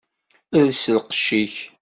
Els lqecc-ik!